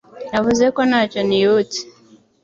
Navuze ko ntacyo nibutse